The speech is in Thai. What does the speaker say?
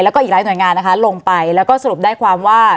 แล้วก็อีกหลายหน่วยงานนะคะลงไปแล้วก็สรุปได้ความว่า